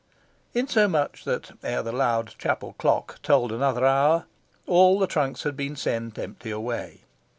Insomuch that ere the loud chapel clock tolled another hour all the trunks had been sent empty away.